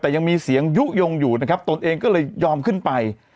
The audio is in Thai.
แต่ยังมีเสียงยุโยงอยู่นะครับตนเองก็เลยยอมขึ้นไป